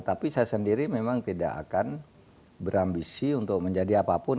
tapi saya sendiri memang tidak akan berambisi untuk menjadi apapun